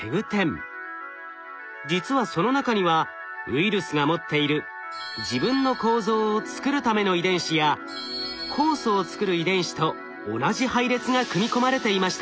実はその中にはウイルスが持っている自分の構造を作るための遺伝子や酵素を作る遺伝子と同じ配列が組み込まれていました。